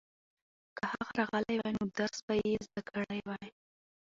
که هغه راغلی وای نو درس به یې زده کړی وای.